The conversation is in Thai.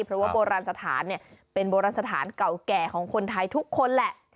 เพราะว่าโบราณสถานเนี่ยเป็นโบราณสถานเก่าแก่ของคนไทยทุกคนแหละ